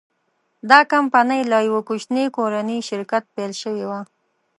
دا کمپنۍ له یوه کوچني کورني شرکت پیل شوې وه.